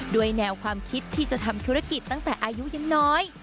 แนวความคิดที่จะทำธุรกิจตั้งแต่อายุยังน้อย